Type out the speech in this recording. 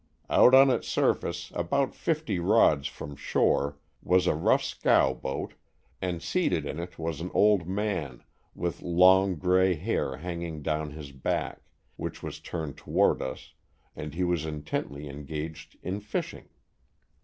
Out on its surface about fifty rods from shore, was a rough scow boat, and seated in it was an old man, with long, gray hair hanging down his back, which was turned toward us, and he was intently engaged in fishing.